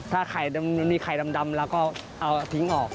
ถ้ามีไข่ดำแล้วก็เอาทิ้งออก